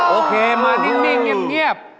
โอเคมานิ่งเงียบ